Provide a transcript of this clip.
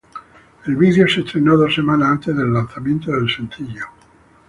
El video se estrenó dos semanas antes del lanzamiento del sencillo.